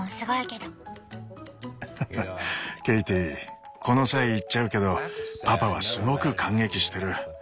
ハハハッケイティこの際言っちゃうけどパパはすごく感激してる。